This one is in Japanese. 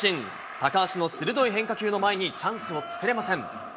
高橋の鋭い変化球の前にチャンスを作れません。